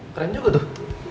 keren juga tuh